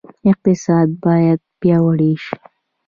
اقتصاد باید پیاوړی شي